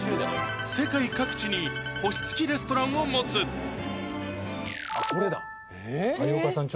世界各地に星付きレストランを持つ有岡さん